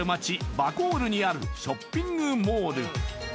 バコールにあるショッピングモール